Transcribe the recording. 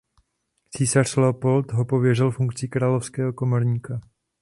Císař Leopold ho pověřil funkcí královského komorníka.